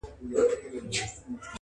• د کښتۍ په منځ کي جوړه خوشالي سوه -